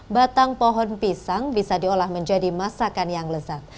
batang pohon pisang bisa diolah menjadi masakan yang lezat